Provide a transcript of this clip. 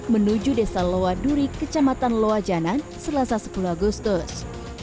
menuju desa loa duri kecamatan loa janan selasa sepuluh agustus